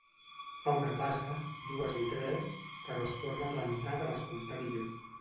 Fa una passa, dues i tres, però es torna a plantar per escoltar millor.